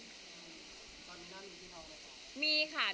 ตอนนี้มีพี่น้องอะไรของ